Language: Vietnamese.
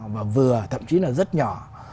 và vừa thậm chí là rất nhỏ